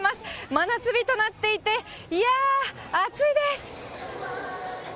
真夏日となっていて、いやー、暑いです。